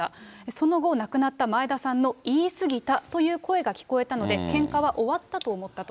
その後、亡くなった前田さんの言い過ぎたという声が聞こえたので、けんかは終わったと思ったと。